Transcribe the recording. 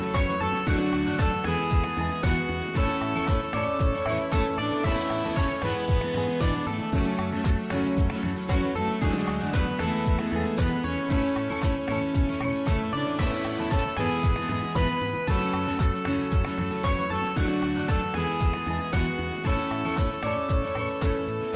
โปรดติดตามตอนต่อไป